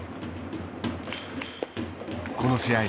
この試合